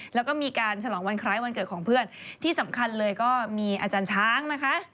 แล้วก็มีการฉลองวันคล้ายวันเกิดของเพื่อนที่สำคัญเลยก็มีอาจารย์ช้างนะคะ